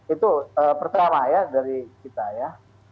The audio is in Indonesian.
itu pertama ya dari kita ya